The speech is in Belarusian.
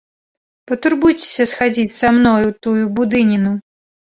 Патурбуйцеся схадзіць са мною ў тую будыніну!